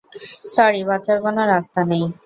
Sorry, বাঁচার কোনো রাস্তা নেই।